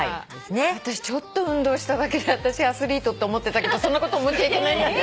私ちょっと運動しただけで私アスリートって思ってたけどそんなこと思っちゃいけないんだね。